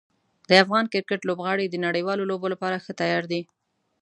د افغان کرکټ لوبغاړي د نړیوالو لوبو لپاره ښه تیار دي.